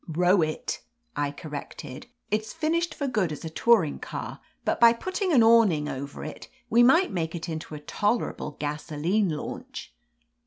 "Row it/' I corrected. "It's finished for good as a touring car, but by putting an awn ing over it we might make it into a tolerable gasoline launch."